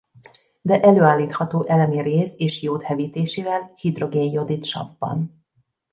De előállítható elemi réz és jód hevítésével hidrogén-jodid savban.